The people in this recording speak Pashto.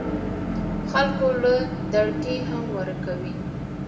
خلکو له دړکې هم ورکوي